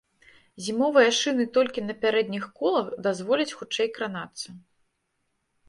Зімовыя шыны толькі на пярэдніх колах дазволяць хутчэй кранацца.